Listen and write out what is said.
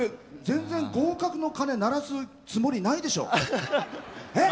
全然合格の鐘鳴らすつもりないでしょ？え？